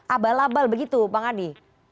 abal abal begitu bang adi